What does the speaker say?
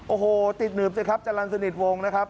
โอ้โหติดหนืบสิครับจรรย์สนิทวงนะครับ